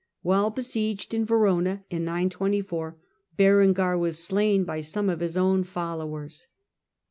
While besieged in Verona, in 924, Berengar was slain by some of his own followers.